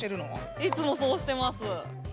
いつもそうしてます。